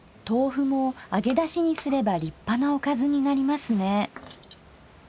豆腐も揚げだしにすれば立派なおかずになりますね。